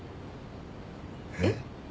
えっ？